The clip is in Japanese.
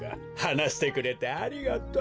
はなしてくれてありがとう。